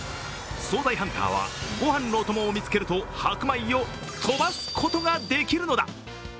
総菜ハンターはごはんのお供を見つけると白米を飛ばすことができるのだ！